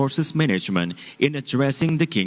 telah meningkat secara sepuluh tahun